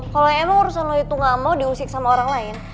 kalau emang urusannya itu gak mau diusik sama orang lain